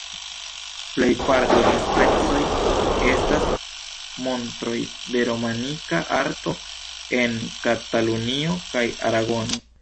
Plej parto de la pecoj estas montroj de romanika arto en Katalunio kaj Aragono.